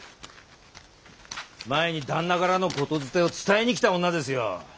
前に旦那からの言伝を伝えに来た女ですよ。